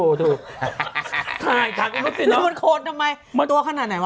โคตรทำไมตัวขนาดไหนวะ